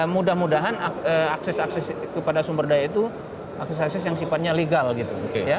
mudah mudahan akses akses kepada sumber daya itu akses akses yang sifatnya legal gitu